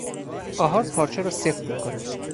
آهار پارچه را سفت میکند.